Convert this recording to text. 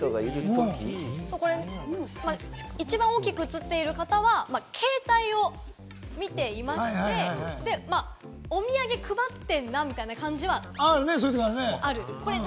一番大きく写ってる方は携帯を見ていまして、お土産配ってんなみたいな感じはある。